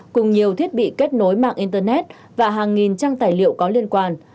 cùng nhiều thiết bị kết nối mạng internet và hàng nghìn trang tài liệu có liên quan